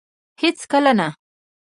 هيڅ کله نه